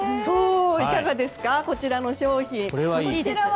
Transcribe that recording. いかがですかこちらの商品。